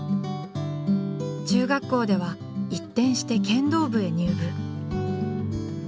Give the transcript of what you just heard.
中学校では一転して剣道部へ入部。